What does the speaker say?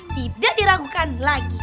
tidak diragukan lagi